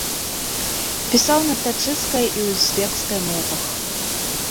Пісаў на таджыкскай і узбекскай мовах.